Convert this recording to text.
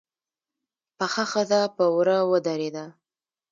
پخه ښځه په وره ودرېده.